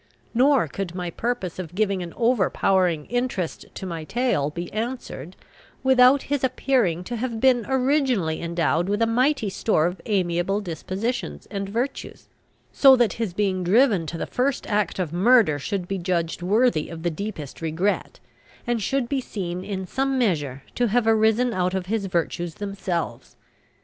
Nor could my purpose of giving an overpowering interest to my tale be answered without his appearing to have been originally endowed with a mighty store of amiable dispositions and virtues, so that his being driven to the first act of murder should be judged worthy of the deepest regret, and should be seen in some measure to have arisen out of his virtues themselves.